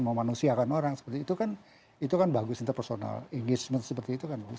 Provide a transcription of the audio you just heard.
memanusiakan orang seperti itu kan itu kan bagus interpersonal engagement seperti itu kan bagus